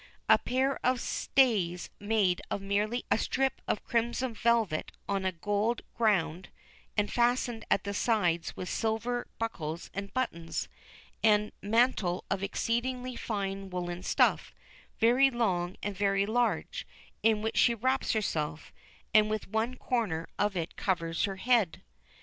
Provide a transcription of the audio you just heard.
A pair of stays made of merely a strip of crimson velvet on a gold ground, and fastened at the sides with silver buckles and buttons, and a mantle of exceedingly fine woollen stuff, very long and very large, in which she wraps herself, and with one corner of it covers her head.